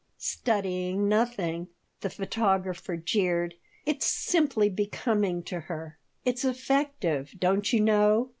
"Studying nothing!" the photographer jeered. "It's simply becoming to her. It's effective, don't you know."